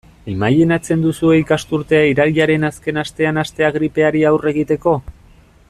Imajinatzen duzue ikasturtea irailaren azken astean hastea gripeari aurre egiteko?